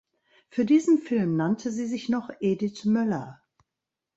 Für diesen Film nannte sie sich noch "Edith Möller".